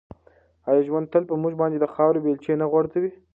آیا ژوند تل په موږ باندې د خاورو بیلچې نه غورځوي؟